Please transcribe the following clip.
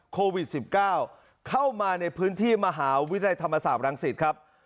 โควิด๑๙เข้ามาในพื้นที่มหาวิทยาลัยธรรมศาสตร์รังสิตครับ